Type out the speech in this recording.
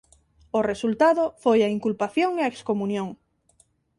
O resultado foi a inculpación e a excomuñón.